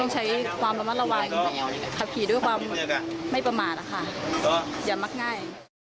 ใช้ความระมัดระวังขับขี่ด้วยความไม่ประมาทนะคะอย่ามักง่าย